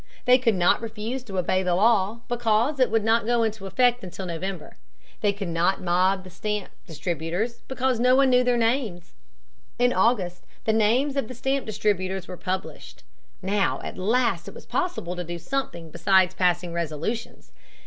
They could not refuse to obey the law because it would not go into effect until November. They could not mob the stamp distributers because no one knew their names. In August the names of the stamp distributers were published. Now at last it was possible to do something besides passing resolutions.